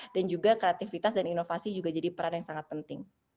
dan juga kreativitas dan inovasi juga jadi peran yang sangat penting